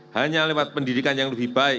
hanya lewat pendidikan yang lebih baik